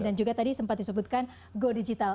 dan juga tadi sempat disebutkan go digital